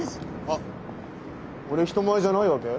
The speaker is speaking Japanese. あっ俺「人前」じゃないわけ？